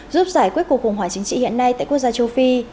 giúp giải quyết cuộc khủng hoảng chính trị hiện nay tại quốc gia châu phi